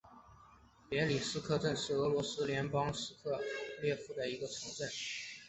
别利斯克市镇是俄罗斯联邦伊尔库茨克州切列姆霍沃区所属的一个市镇。